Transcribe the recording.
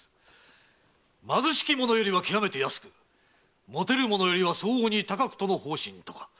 貧しき者よりはきわめて安く持てる者よりは相応に高くとの方針とか。